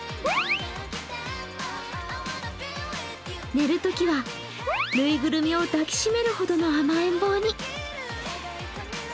寝るときは縫いぐるみを抱き締めるほどの甘えん坊に。